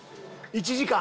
１時間？